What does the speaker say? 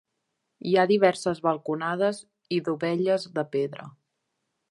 Hi ha diverses balconades i dovelles de pedra.